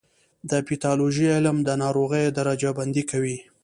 د پیتالوژي علم د ناروغیو درجه بندي کوي.